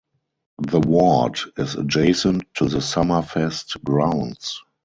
The Ward is adjacent to the Summerfest grounds.